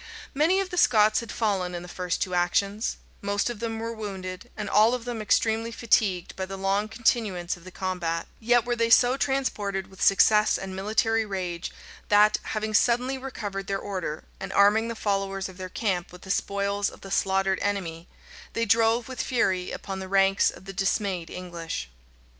Many of the Scots had fallen in the two first actions; most of them were wounded, and all of them extremely fatigued by the long continuance of the combat: yet were they so transported with success and military rage, that, having suddenly recovered their order, and arming the followers of their camp with the spoils of the slaughtered enemy, they drove with fury upon the ranks of the dismayed English.